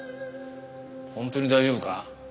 本当に大丈夫か？